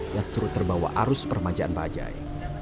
yang turut terbawa arus permajaan bajai